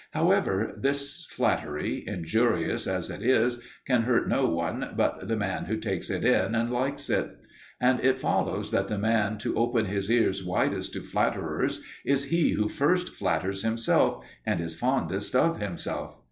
However, this flattery, injurious as it is, can hurt no one but the man who takes it in and likes it. And it follows that the man to open his ears widest to flatterers is he who first flatters himself and is fondest of himself.